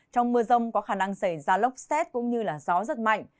trong mưa rông có khả năng xảy ra lốc xét cũng như gió rất mạnh